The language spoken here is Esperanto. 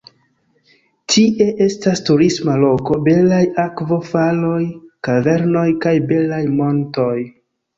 Tie estas turisma loko, belaj akvo-faloj, kavernoj kaj belaj montoj.